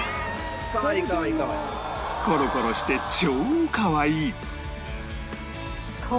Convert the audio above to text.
コロコロして超かわいい